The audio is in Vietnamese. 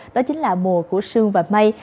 đó chính là mùa của sương và mây